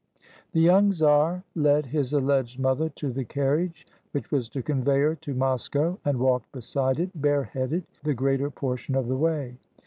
The young czar led his alleged mother to the carriage which was to convey her to Moscow, and walked beside it bareheaded the greater portion of the way.